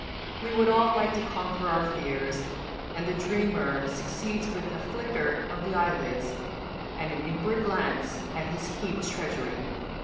We would all like to conquer our fears, and the dreamer succeeds with a flicker of the eyelids and an inward glance at his heaped treasury.